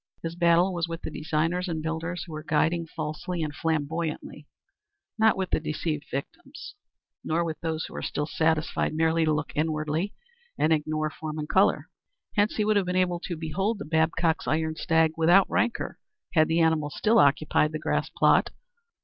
His battle was with the designers and builders who were guiding falsely and flamboyantly, not with the deceived victims, nor with those who were still satisfied merely to look inwardly, and ignored form and color. Hence he would have been able to behold the Babcocks' iron stag without rancor had the animal still occupied the grass plot.